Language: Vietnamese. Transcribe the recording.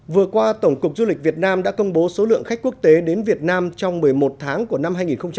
vừa qua tổng cục du lịch việt nam đã công bố số lượng khách quốc tế đến việt nam trong một mươi một tháng của năm hai nghìn hai mươi